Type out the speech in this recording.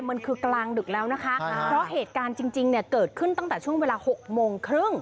มันคือกลางดึกแล้วนะคะเพราะเหตุการณ์จริงเนี่ยเกิดขึ้นตั้งแต่ช่วงเวลา๖โมงครึ่ง